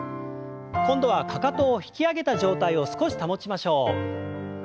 今度はかかとを引き上げた状態を少し保ちましょう。